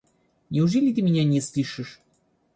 Неужели ты меня не слышишь?